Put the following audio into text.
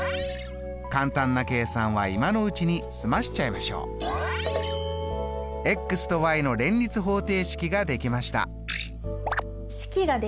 簡単な計算は今のうちに済ましちゃいましょう。との連立方程式ができました。